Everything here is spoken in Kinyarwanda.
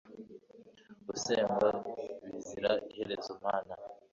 usengwa bizira iherezo mana